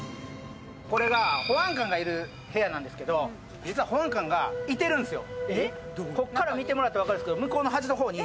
これが保安官がいる部屋なんですけど、実は保安官がいてるんですよ。